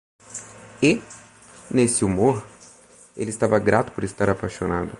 E? nesse humor? ele estava grato por estar apaixonado.